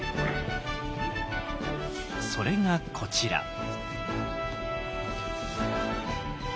それがこちら。